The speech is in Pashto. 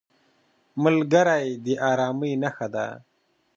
ملګری د ارامۍ نښه ده